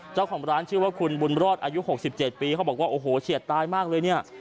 เจ้าของร้านชื่อว่าคุณบุญรอดอายุ๖๗ปีเขาบอกว่าโอ้โหเฉียดตายมากเลยเนี่ย